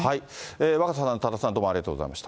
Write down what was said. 若狭さん、多田さん、どうもありがとうございました。